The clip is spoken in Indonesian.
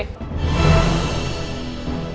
minta maaf ke bokap gue